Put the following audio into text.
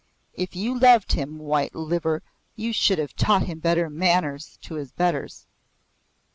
If you loved him, White liver, you should have taught him better manners to his betters."